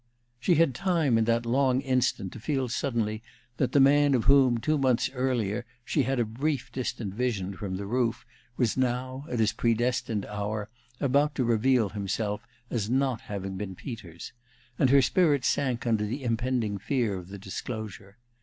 She had time, in that long instant, to feel suddenly that the man of whom, two months earlier, she had a brief distant vision from the roof was now, at his predestined hour, about to reveal himself as not having been Peters; and her spirit sank under the impending fear of the disclosure.